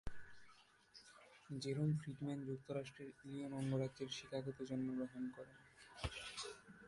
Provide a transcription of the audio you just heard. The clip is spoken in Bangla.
জেরোম ফ্রিডম্যান যুক্তরাষ্ট্রের ইলিনয় অঙ্গরাজ্যের শিকাগোতে জন্মগ্রহণ করেন।